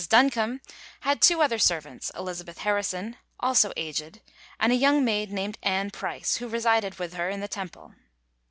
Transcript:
Duncombe had two other servants, Elizabeth Harrison, also aged, and a young maid named Ann Price, who resided with her in the Temple.